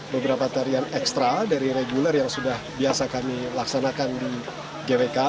beberapa tarian ekstra dari reguler yang sudah biasa kami laksanakan di gwk